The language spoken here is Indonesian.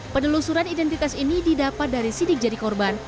penelusuran identitas ini didapat dari sidik jari korban